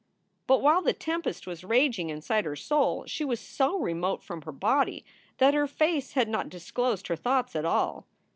But while the tempest was raging inside her soul she was so remote from her body that her face had not disclosed her thoughts at all.